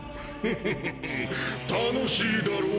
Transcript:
フッフッ楽しいだろう？